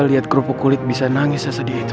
liat kerupuk kulit bisa nangis sesedih itu